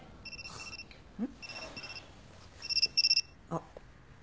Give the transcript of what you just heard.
あっ。